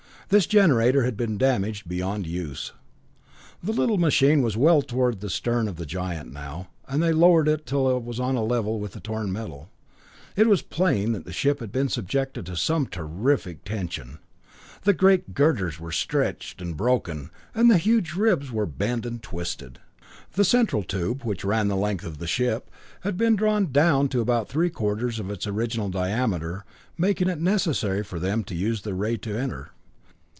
This generator had been damaged beyond use. The little machine was well toward the stern of the giant now, and they lowered it till it was on a level with the torn metal. It was plain that the ship had been subjected to some terrific tension. The great girders were stretched and broken, and the huge ribs were bent and twisted. The central tube, which ran the length of the ship, had been drawn down to about three quarters of its original diameter, making it necessary for them to use their ray to enter.